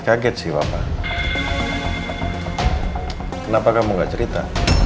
kenapa kamu nggak cerita